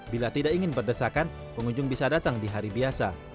bila tidak ingin berdesakan pengunjung bisa datang di hari biasa